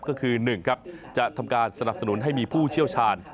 ก็คือ๑ครับจะทำการสนับสนุนให้มีผู้เชี่ยวชาญ